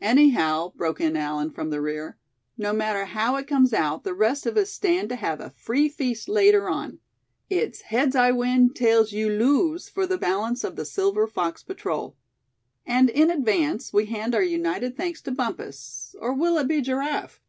"Anyhow," broke in Allan from the rear, "no matter how it comes out, the rest of us stand to have a free feast later on. It's 'heads I win, tails you lose,' for the balance of the Silver Fox Patrol. And in advance, we hand our united thanks to Bumpus; or will it be Giraffe?"